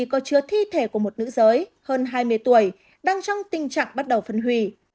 có chứa thi thể của một nữ giới hơn hai mươi tuổi đang trong tình trạng bắt đầu phân hủy